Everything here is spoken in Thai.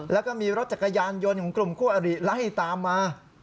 แล้วก็มีรถจักรยานยนต์ของกลุ่มคู่อริไล่ตามมา